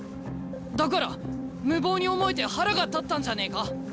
だから無謀に思えて腹が立ったんじゃねえか？